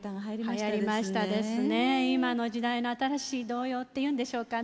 今の時代の新しい童謡っていうんでしょうかね。